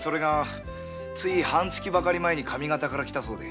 つい半月ばかり前に上方から来たそうで。